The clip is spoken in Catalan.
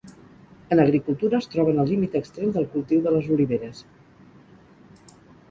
En agricultura es troba en el límit extrem del cultiu de les oliveres.